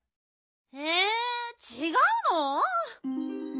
えちがうの？